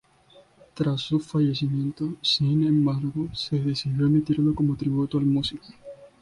Tras su fallecimiento, sin embargo, se decidió emitirlo como tributo al músico.